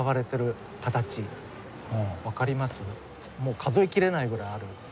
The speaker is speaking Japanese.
数えきれないぐらいある。